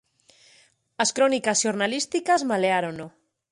As crónicas xornalísticas maleárono.